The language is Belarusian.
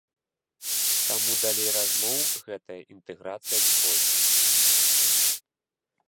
Таму далей размоў гэтая інтэграцыя не пойдзе.